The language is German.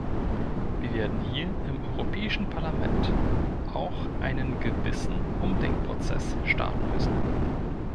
Wir werden hier im Europäischen Parlament auch einen gewissen Umdenkprozess starten müssen.